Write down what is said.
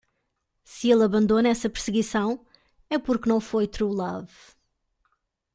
Se ele abandona essa perseguição? é porque não foi truelove...